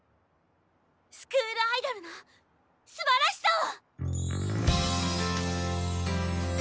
スクールアイドルのすばらしさを！